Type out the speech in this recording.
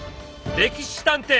「歴史探偵」。